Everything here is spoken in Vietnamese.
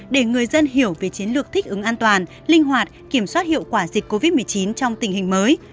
để người dân hiểu về chiến lược thích ứng an toàn linh hoạt kiểm soát hiệu quả dịch covid một mươi chín trong tình hình mới